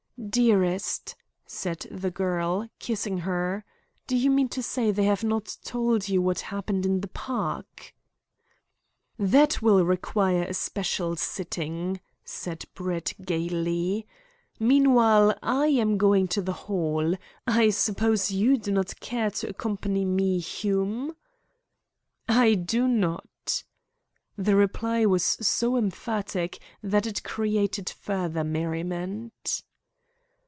"Dearest," said the girl, kissing her; "do you mean to say they have not told you what happened in the park?" "That will require a special sitting," said Brett gaily. "Meanwhile, I am going to the Hall. I suppose you do not care to accompany me, Hume?" "I do not." The reply was so emphatic that it created further merriment.